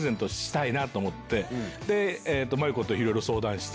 で万由子といろいろ相談して。